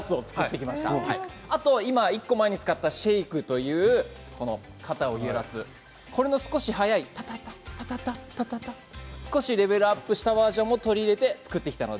１個前に使ったシェイクという肩を揺らすこれの少し早いたたたっという少しレベルアップしたバージョンも取り入れて作ってきました。